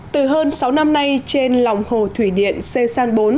từ hơn sáu năm nay trên lòng hồ thủy điện sê san bốn